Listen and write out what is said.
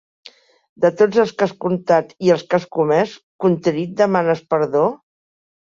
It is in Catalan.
De tots els que has contat i els que has comès, contrit demanes perdó?